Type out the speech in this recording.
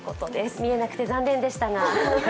見えなくて残念でしたが。